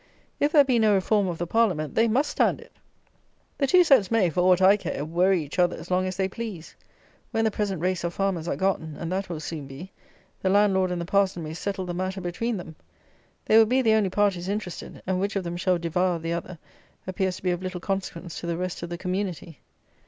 If there be no reform of the Parliament, they must stand it. The two sets may, for aught I care, worry each other as long as they please. When the present race of farmers are gone (and that will soon be) the landlord and the parson may settle the matter between them. They will be the only parties interested; and which of them shall devour the other appears to be of little consequence to the rest of the community.